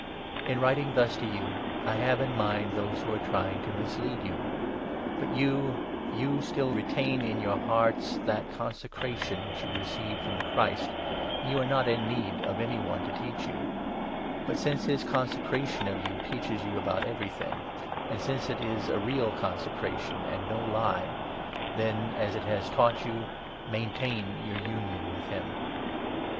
In writing thus to you, I have in mind those 26 The who are trying to mislead you. But you — you 27 consecration s*'^ retain in your hearts that consecration which ' you received from the Christ, and are not i« need of any one to teach you ; but, since his consecration of you teaches you about everything, and since it is a real consecra tion, and no lie, then, as it has taught you, maintain your union with him.